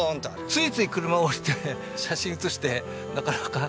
ついつい車を降りて写真写して。